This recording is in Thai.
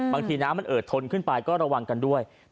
บางทีน้ำมันเอิดทนขึ้นไปก็ระวังกันด้วย